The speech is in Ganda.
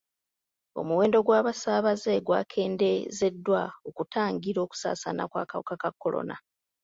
Omuwendo gw'abasaabaze gwakendeezeddwa okutangira okusaasaana kw'akawuka ka kolona.